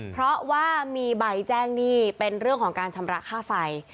เพราะว่ามีใบแจ้งหนี้เป็นเรื่องของการชำระค่าไฟ